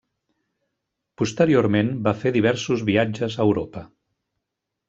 Posteriorment va fer diversos viatges a Europa.